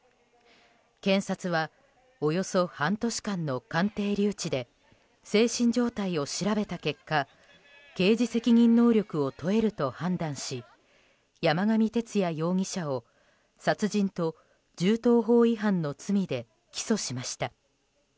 検察はおよそ半年間の鑑定留置で精神状態を調べた結果刑事責任能力を問えると判断し山上徹也容疑者を殺人と銃刀法違反の罪で起訴しました。